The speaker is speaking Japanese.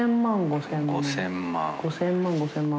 毅娃娃伊５０００万５０００万。